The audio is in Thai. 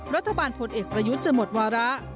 ผลเอกประยุทธ์จะหมดวาระ